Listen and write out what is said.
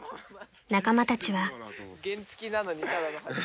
［仲間たちは］